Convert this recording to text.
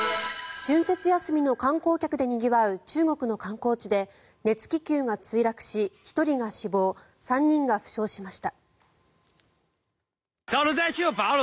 春節休みの観光客でにぎわう中国の観光地で熱気球が墜落し１人が死亡３人が負傷しました。